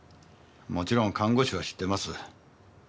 もちろん看護師は知ってます。